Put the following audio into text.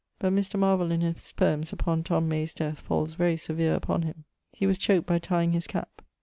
But Mr. Marvel in his poems upon Tom May's death falls very severe upon him. He was choaked by tyeing his cap.